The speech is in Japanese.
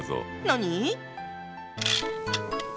何？